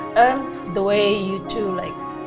dan cara kamu juga